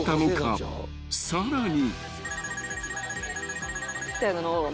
［さらに］